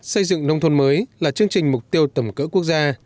xây dựng nông thôn mới là chương trình mục tiêu tầm cỡ quốc gia